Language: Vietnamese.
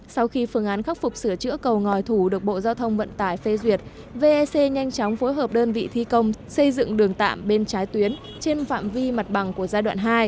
sau khi phương án khắc phục sửa chữa cầu ngòi thủ được bộ giao thông vận tải phê duyệt vec nhanh chóng phối hợp đơn vị thi công xây dựng đường tạm bên trái tuyến trên phạm vi mặt bằng của giai đoạn hai